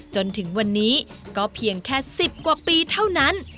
จนถึงวันนี้ก็เพียงแค่๑๐กว่าปีเท่านั้น